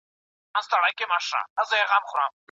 هره ورځ د ژوند تجربه نوي درسونه ورکوي.